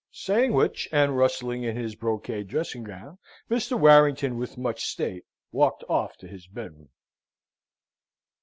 Saying which, and rustling in his brocade dressing gown, Mr. Warrington, with much state, walked off to his bedroom.